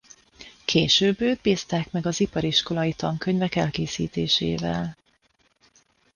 Később őt bízták meg az ipariskolai tankönyvek elkészítésével.